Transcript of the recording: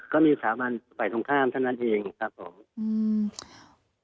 ก็มีสถาบันฝ่ายตรงข้ามเท่านั้นเองครับผมอืม